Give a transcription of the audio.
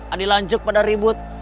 ayo lanjut pada ribut